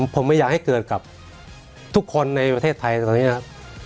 ผมไม่อยากให้เกิดกับทุกคนในประเทศไทยตอนนี้นะครับ